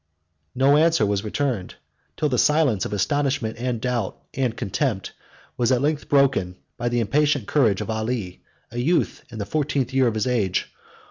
113 No answer was returned, till the silence of astonishment, and doubt, and contempt, was at length broken by the impatient courage of Ali, a youth in the fourteenth year of his age.